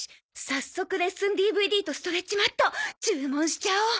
早速レッスンＤＶＤとストレッチマット注文しちゃおう。